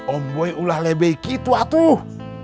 om boy ulah lebih gitu atuh